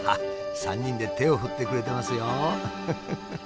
３人で手を振ってくれてますよ。